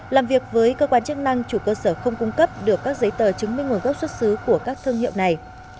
làm việc với cơ quan chức năng chủ cơ sở không cung cấp được các giấy tờ chứng minh nguồn gốc xuất xứ của các thương hiệu này